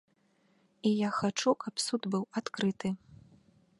І я хачу, каб суд быў адкрыты.